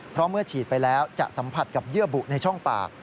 เพราะเมื่อฉีดไปแล้วจะสัมผัสกับเยื่อบุในช่องปาก